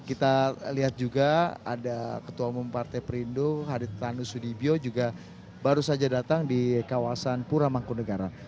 kita lihat juga ada ketua umum partai perindo haritanu sudibyo juga baru saja datang di kawasan pura mangkunegara